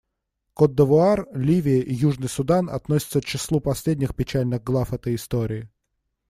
Котд'Ивуар, Ливия и Южный Судан относятся к числу последних печальных глав этой истории.